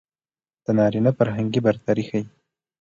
د نارينه فرهنګي برتري ښيي.